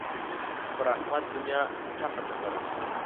پر احمد دونیا ټپه ټغره شوه.